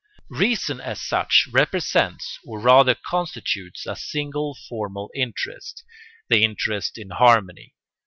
] Reason as such represents or rather constitutes a single formal interest, the interest in harmony.